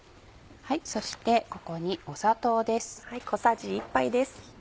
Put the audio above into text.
そしてここに砂糖です。